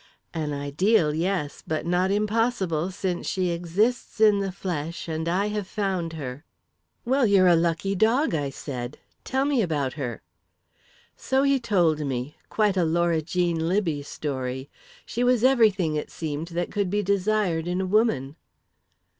"'An ideal, yes; but not impossible, since she exists in the flesh and I have found her.' "'Well, you're a lucky dog,' I said. 'Tell me about her.' "So he told me quite a Laura Jean Libbey story. She was everything, it seemed, that could be desired in a woman.